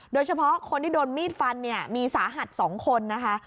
โดยเฉพาะคนที่โดนมีดฟันเนี่ยมีสาหัส๒คนนะคะ